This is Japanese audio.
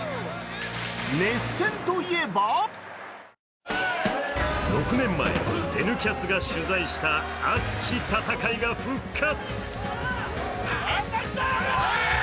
熱戦といえば６年前、「Ｎキャス」が取材した熱き戦いが復活。